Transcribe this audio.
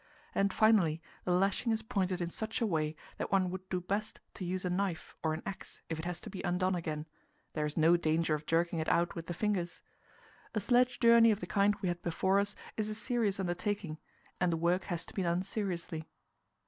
And, finally, the lashing is pointed in such a way that one would do best to use a knife or an axe if it has to be undone again; there is no danger of jerking it out with the fingers. A sledge journey of the kind we had before us is a serious undertaking, and the work has to be done seriously.